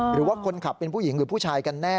หรือว่าคนขับเป็นผู้หญิงหรือผู้ชายกันแน่